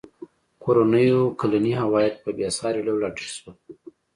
کورنیو کلني عواید په بېساري ډول راټیټ شول.